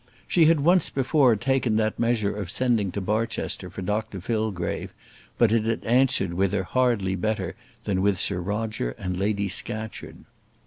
She had once before taken that measure of sending to Barchester for Dr Fillgrave, but it had answered with her hardly better than with Sir Roger and Lady Scatcherd.